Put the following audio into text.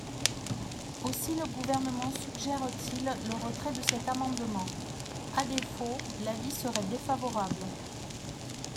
Aussi le Gouvernement suggère-t-il le retrait de cet amendement ; à défaut, l’avis serait défavorable.